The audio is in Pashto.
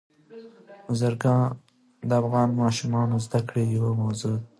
بزګان د افغان ماشومانو د زده کړې یوه موضوع ده.